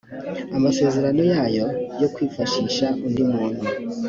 amasezerano yayo yo kwifashisha undi muntu